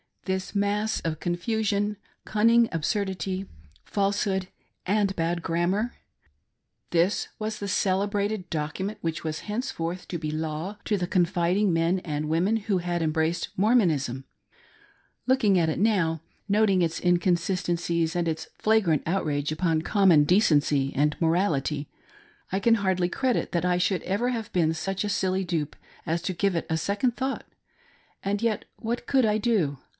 — this mass of confusion, cunning absurdity, falsehood, and bad grammar! TAii was HOW THIS "revelation" CAME TO ME. 1 39 the celebrated document which was henceforth to be law to the confiding men and women who had embraced Mormonism ! Looking at it now ; noting its inconsistencies and its flagrant outrage upon common decency and morality, I can hardly credit that I should ever have been such a silly dupe as to give it a second thought. And yet, what could I do